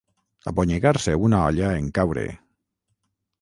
Abonyegar-se una olla en caure.